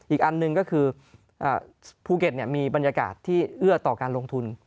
อีกอันหนึ่งก็คือภูเก็ตมีบรรยากาศที่เอื้อต่อการลงทุน